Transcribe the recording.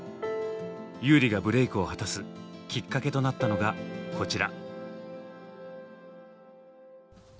優里がブレークを果たすきっかけとなったのがこちら。